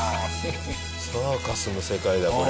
サーカスの世界だこれ。